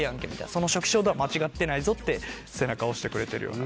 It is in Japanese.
その初期衝動は間違ってないぞって背中を押してくれてるような。